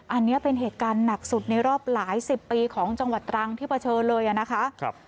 อันนี้เป็นเหตุการณ์หนักสุดในรอบหลายสิบปีของจังหวัดตรังที่เผชิญเลยนะคะ